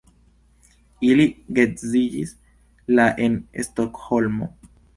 Ili geedziĝis la en Stokholmo.